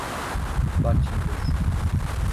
Batidas